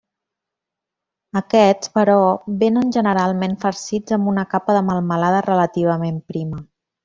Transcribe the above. Aquests, però, vénen generalment farcits amb una capa de melmelada relativament prima.